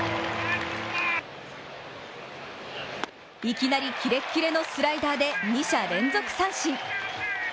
いきなりキレッキレのスライダーで２者連続三振。